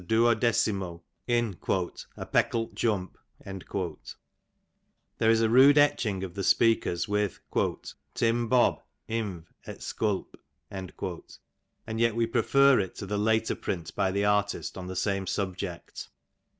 duodecimo in "a pecklt jump.^^ There is a rude etching of the speakers, with " Tim Bob. inv. et sculp. ;^' and yet we prefer it to the later print by the artist on the same subject.